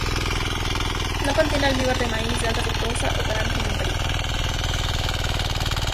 No contienen almíbar de maíz de alta fructosa o colorante alimentario.